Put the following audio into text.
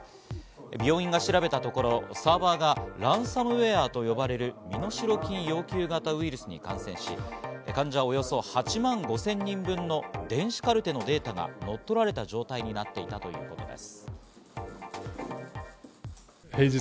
病院が調べたところ、サーバーがランサムウェアと呼ばれる身代金要求型ウイルスに感染し、患者およそ８万５０００人分の電子カルテのデータが乗っ取られた状態になっていたということです。